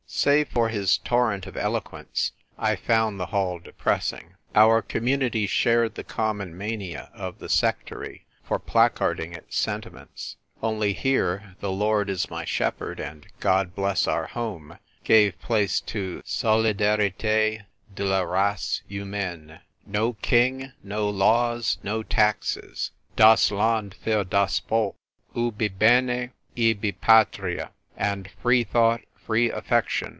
Save for his torrent of eloquence 1 found the hall depressing. Our Community shared the common mania of the sectary for placarding its sentiments. Only here " The Lord is my Shepherd " and " God Bless our Home " gave place to " Solidarite de la Race Hnmaine,'" " No King, no Laws, no Taxes," '^ Das Land fur das Volk,'^ " Ubi bene, ibi Patria,'' and " Free Thought, Free Affection."